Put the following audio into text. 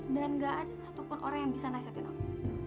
dan gak ada satupun orang yang bisa nasihatin aku